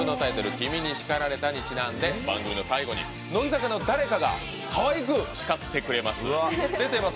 「君に叱られた」にちなんで番組の最後に乃木坂の誰かがかわいく叱ってくれます。